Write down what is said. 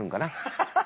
ハハハハ！